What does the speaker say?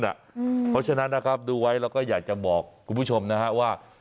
เพราะฉะนั้นนะครับดูไว้แล้วก็อยากจะบอกคุณผู้ชมนะฮะว่า